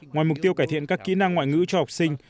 ngoài mục tiêu cải thiện các kỹ năng ngoại ngữ cho học sinh